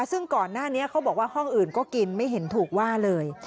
ซึ่งก่อนหน้านี้เขาบอกว่าห้องอื่นก็กินไม่เห็นถูกว่าเลย